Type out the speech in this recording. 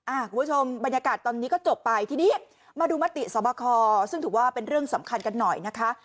คุณผู้ชมบรรยากาศตอนนี้ก็จบไปทีนี้มาดูมติสวบคซึ่งถือว่าเป็นเรื่องสำคัญกันหน่อยนะคะ